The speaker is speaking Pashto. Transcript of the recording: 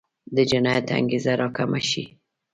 د جنایت انګېزه راکمه شي.